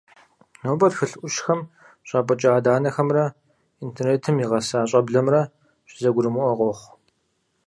Нобэ, тхылъ Ӏущхэм щӀапӀыкӀа адэ-анэхэмрэ интернетым игъэса щӀэблэмрэ щызэгурымыӀуэ къохъу.